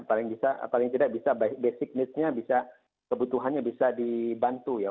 paling tidak bisa basic needs nya bisa kebutuhannya bisa dibantu ya